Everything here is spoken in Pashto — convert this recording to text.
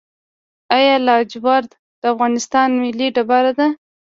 آیا لاجورد د افغانستان ملي ډبره ده؟